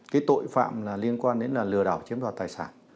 cái tội phạm liên quan đến là lừa đảo chiếm đoạt tài sản